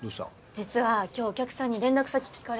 実は今日お客さんに連絡先聞かれたんですよ。